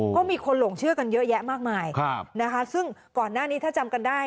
เพราะมีคนหลงเชื่อกันเยอะแยะมากมายนะคะซึ่งก่อนหน้านี้ถ้าจำกันได้